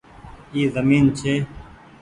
اي زمين ڇي۔